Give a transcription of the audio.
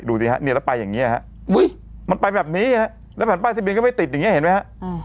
ดูสิฮะเนี่ยแล้วไปอย่างนี้มันไปแบบนี้ฮะแล้วแผ่นป้ายทะเบียนก็ไม่ติดอย่างนี้เห็นไหมฮะ